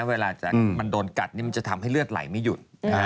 เวลามันโดนกัดนี่มันจะทำให้เลือดไหลไม่หยุด